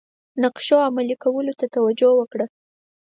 نقشو عملي کولو ته توجه وکړه.